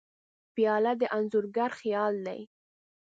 پیاله د انځورګر خیال دی.